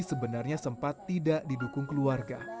sebenarnya sempat tidak didukung keluarga